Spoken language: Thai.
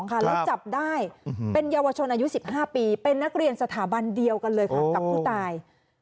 แล้วจับได้เป็นเยาวชนอายุ๑๕ปีเป็นนักเรียนสถาบันเดียวกันเลยค่ะกับผู้ตาย